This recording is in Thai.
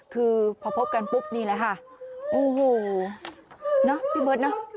คือพอพบกันปุ๊บนี่แหละค่ะโอ้โหเนอะพี่เบิร์ตเนอะ